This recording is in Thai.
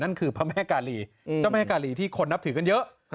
นั่นคือพระแม่กาลีเจ้าแม่กาลีที่คนนับถือกันเยอะ